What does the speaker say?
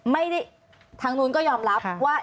ไม่ได้ทางนู้นก็ยอมรับว่า